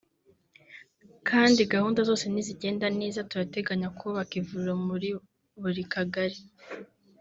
kandi gahunda zose nizigenda neza turateganya kubaka ivuriro muri buri Kagali